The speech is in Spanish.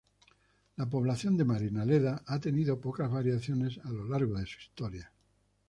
La población de Marinaleda ha tenido pocas variaciones a lo largo de su historia.